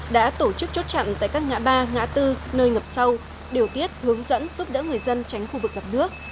đã tổ chức chốt chặn tại các ngã ba ngã tư nơi ngập sâu điều tiết hướng dẫn giúp đỡ người dân tránh khu vực gặp nước